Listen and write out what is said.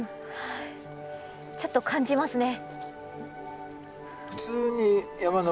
ちょっと感じますね。